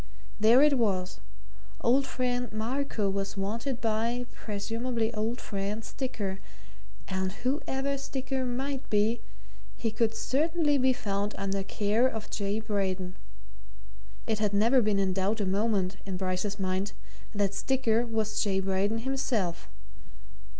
There it was old friend Marco was wanted by (presumably old friend) Sticker, and whoever Sticker might be he could certainly be found under care of J. Braden. It had never been in doubt a moment, in Bryce's mind, that Sticker was J. Braden himself.